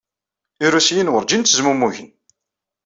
Irusiyen werjin ttezmumugen.